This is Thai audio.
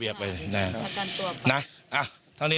มีการยื่นประกันตัว